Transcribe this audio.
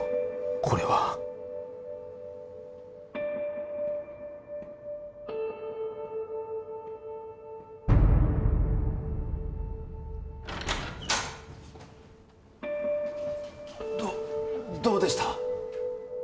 これはどどうでした？